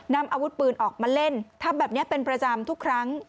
นำอาวุธปืนออกมาเล่นทำแบบนี้เป็นประจำทุกครั้ง